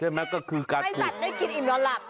ให้สัตว์ไม่กินอิ่มรอดหลับ